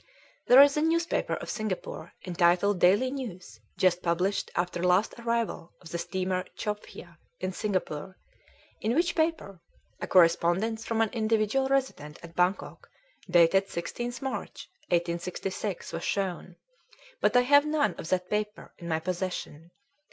"There is a newspaper of Singapore entitled Daily News just published after last arrival of the steamer Chowphya in Singapore, in which paper, a correspondence from an Individual resident at Bangkok dated 16th March 1866 was shown, but I have none of that paper in my possession